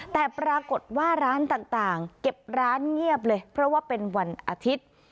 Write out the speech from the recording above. แต่ปรากฏว่าร้านต่างเก็บร้านเงียบเลยเพราะว่าเป็นวันอาทิตย์